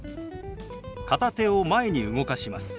片手を前に動かします。